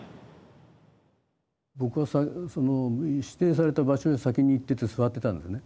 ぼくは指定された場所へ先に行ってて座ってたんですね。